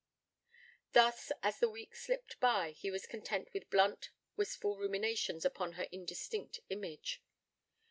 Thus, as the weeks slipped by, he was content with blunt, wistful ruminations upon her indistinct image.